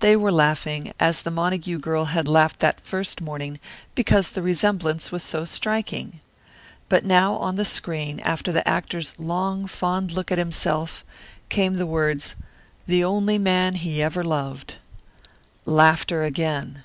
They were laughing, as the Montague girl had laughed that first morning, because the resemblance was so striking. But now on the screen, after the actor's long fond look at himself, came the words, "The Only Man He Ever Loved." Laughter again.